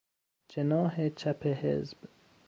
جناح چپ حزب